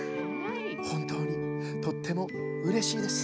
ほんとうにとってもうれしいです。